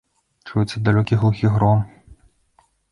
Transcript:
Чуецца далёкі, глухі гром.